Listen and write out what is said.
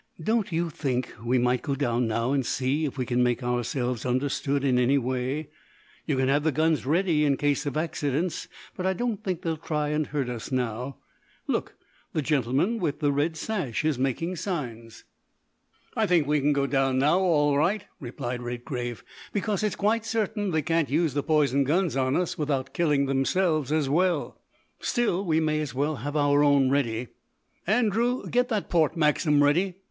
"Don't you think we might go down now and see if we can make ourselves understood in any way? You can have the guns ready in case of accidents, but I don't think they'll try and hurt us now. Look, the gentleman with the red sash is making signs." "I think we can go down now all right," replied Redgrave, "because it's quite certain they can't use the poison guns on us without killing themselves as well. Still, we may as well have our own ready. Andrew, get that port Maxim ready.